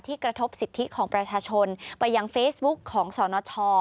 กระทบสิทธิของประชาชนไปยังเฟซบุ๊กของสนช